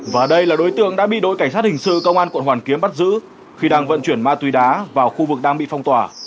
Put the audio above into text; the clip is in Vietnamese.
và đây là đối tượng đã bị đội cảnh sát hình sự công an quận hoàn kiếm bắt giữ khi đang vận chuyển ma túy đá vào khu vực đang bị phong tỏa